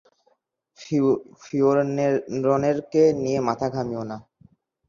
ফিওরনেরকে নিয়ে মাথা ঘামিয়ো না।